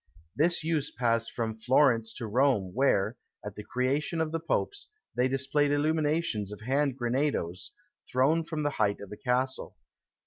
This use passed from Florence to Rome, where, at the creation of the popes, they displayed illuminations of hand grenadoes, thrown from the height of a castle.